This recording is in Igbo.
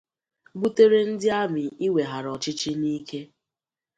butere ndị armị ị weghara ọchịchị n’ike.